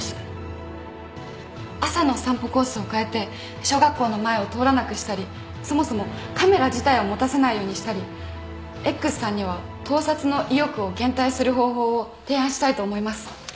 朝の散歩コースを変えて小学校の前を通らなくしたりそもそもカメラ自体を持たせないようにしたりＸさんには盗撮の意欲を減退する方法を提案したいと思います。